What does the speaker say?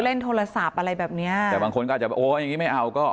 เล่นโทรศัพท์อะไรแบบเนี้ยแต่บางคนก็อาจจะแบบโอ้อย่างงี้ไม่เอาก็